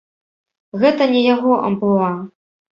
Гэта не яго амплуа.